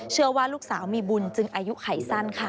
เชื่อว่าลูกสาวมีบุญจึงอายุไขสั้นค่ะ